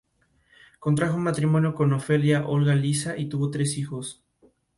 Fue sucedido por su vicepresidente, Alfred Francis Russell.